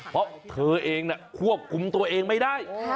เพราะเธอเองควบคุมตัวเองไม่ได้